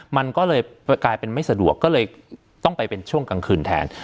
มันก็เลยกลายเป็นไม่สะดวกก็เลยต้องไปเป็นช่วงกลางคืนแทน